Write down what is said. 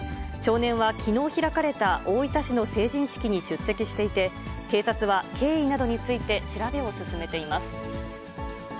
少年は、きのう開かれた大分市の成人式に出席していて、警察は、経緯などについて調べを進めています。